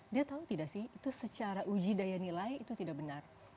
dia tahu tidak sih itu secara uji daya nilai itu tidak benar